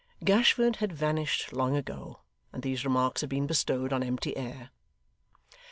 Gashford had vanished long ago, and these remarks had been bestowed on empty air.